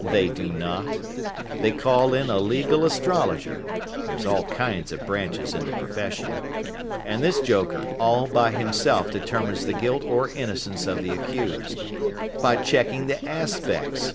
They do not. They call in a legal astrologer there's all kinds of branches in the profession and this joker all by himself determines the guilt or innocence of the accused. By checking the aspects.